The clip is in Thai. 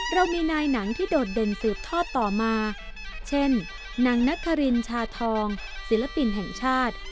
เรามีนายหนังที่โดดเด่นสืบทอดต่อมาเช่นนางนครินชาทองศิลปินแห่งชาติ